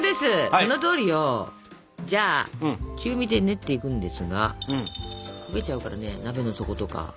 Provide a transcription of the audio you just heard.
そのとおりよ！じゃあ中火で練っていくんですが焦げちゃうからね鍋の底とか。